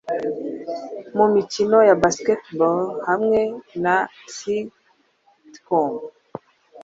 mumikino ya basketball hamwe na sitcoms